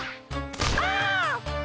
ああ！